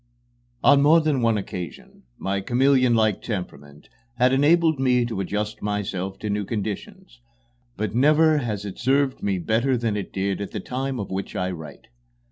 XXX On more than one occasion my chameleonlike temperament has enabled me to adjust myself to new conditions, but never has it served me better than it did at the time of which I write.